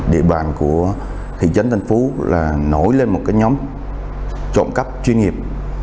địa bàn của thị trấn tân phú là nổi lên một cái nhóm trộm cắp chuyên nghiệp